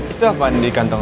itu apaan di kantong